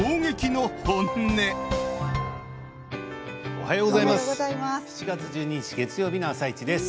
おはようございます。